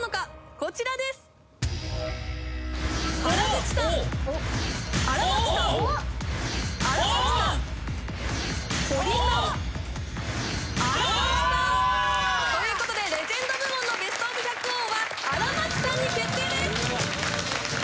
こちらですということでレジェンド部門のベストオブ百王は荒牧さんに決定です